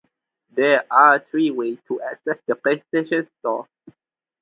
There are three ways to access the PlayStation Store.